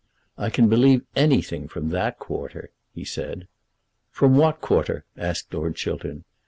"I can believe anything from that quarter," he said. "From what quarter?" asked Lord Chiltern.